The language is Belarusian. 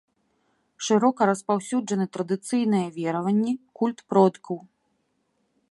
Шырока распаўсюджаны традыцыйныя вераванні, культ продкаў.